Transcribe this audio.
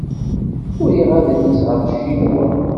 Uriɣ adlis ɣef Cinwa.